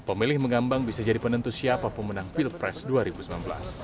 pemilih mengambang bisa jadi penentu siapa pemenang pilpres dua ribu sembilan belas